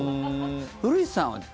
古市さんは？